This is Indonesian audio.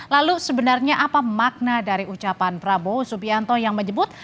lalu sebenarnya apa makna dari ucapan prabowo subianto yang menyebut